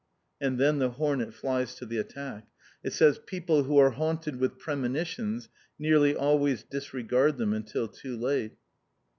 And then the hornet flies to the attack. "It says, 'People who are haunted with premonitions nearly always disregard them until too late.'"